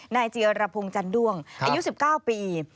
นายเจียระพงษ์จันดวงอายุ๑๙ปี